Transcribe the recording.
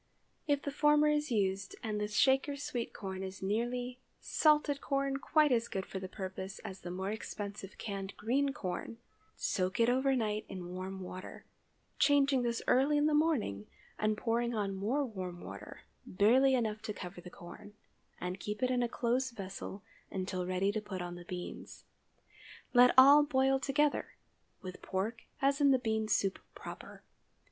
If the former is used—and the Shaker sweet corn is nearly, salted corn quite as good for the purpose as the more expensive canned green corn—soak it overnight in warm water—changing this early in the morning, and pouring on more warm water, barely enough to cover the corn, and keeping it in a close vessel until ready to put on the beans. Let all boil together, with pork as in the bean soup proper.